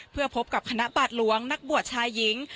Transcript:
เพื่อพบกับคณะบาทหลวงนักบวชชายหญิง